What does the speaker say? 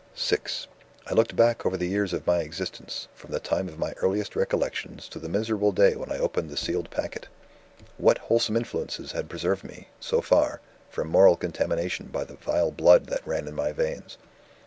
VI "I looked back over the past years of my existence, from the time of my earliest recollections to the miserable day when I opened the sealed packet. "What wholesome influences had preserved me, so far, from moral contamination by the vile blood that ran in my veins?